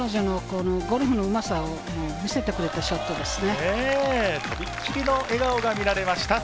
ゴルフのうまさを見せてくれたショットでしたね。